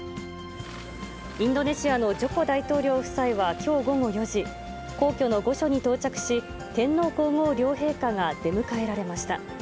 インドネシアのジョコ大統領夫妻はきょう午後４時、皇居の御所に到着し、天皇皇后両陛下が出迎えられました。